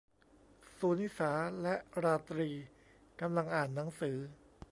สุนิสาและราตรีกำลังอ่านหนังสือ